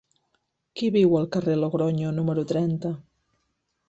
Qui viu al carrer de Logronyo número trenta?